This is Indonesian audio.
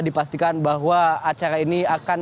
dipastikan bahwa acara ini akan